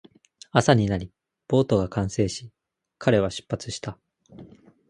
朝になり、ボートが完成し、彼は出発した